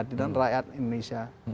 di depan rakyat indonesia